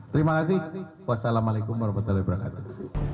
terima kasih wassalamualaikum warahmatullahi wabarakatuh